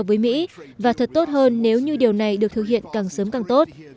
với mỹ và thật tốt hơn nếu như điều này được thực hiện càng sớm càng tốt